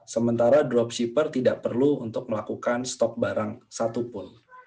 sementara dropshipper tidak perlu untuk melakukan stok barang satupun